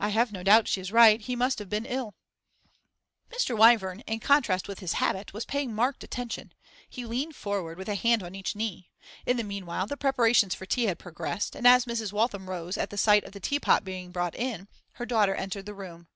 'I have no doubt she is right. He must have been ill.' Mr. Wyvern, in contrast with his habit, was paying marked attention; he leaned forward, with a hand on each knee. In the meanwhile the preparations for tea had progressed, and as Mrs. Waltham rose at the sight of the teapot being brought in, her daughter entered the room.